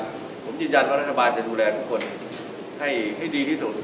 ผมยืนยันว่ารัฐบาลจะดูแลทุกคนให้ดีที่สุด